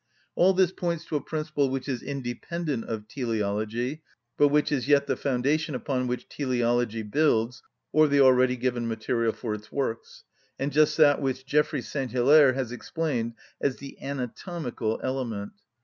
All this points to a principle which is independent of teleology, but which is yet the foundation upon which teleology builds, or the already given material for its works, and just that which Geoffroy St. Hilaire has explained as the "anatomical element."